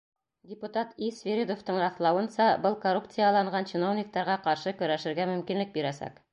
Депутат И. Свиридовтың раҫлауынса, был коррупцияланған чиновниктарға ҡаршы көрәшергә мөмкинлек бирәсәк.